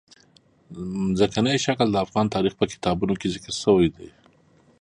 ځمکنی شکل د افغان تاریخ په کتابونو کې ذکر شوی دي.